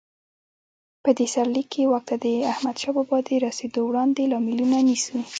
په دې سرلیک کې واک ته د احمدشاه بابا د رسېدو وړاندې لاملونه نیسو.